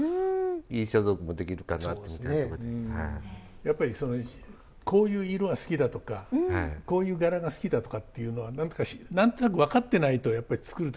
やっぱりこういう色が好きだとかこういう柄が好きだとかっていうのは何となく分かってないとやっぱり作る時。